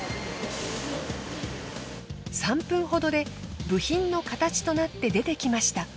３分ほどで部品の形となって出てきました。